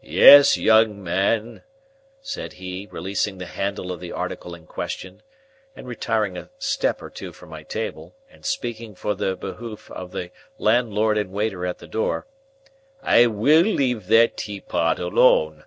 "Yes, young man," said he, releasing the handle of the article in question, retiring a step or two from my table, and speaking for the behoof of the landlord and waiter at the door, "I will leave that teapot alone.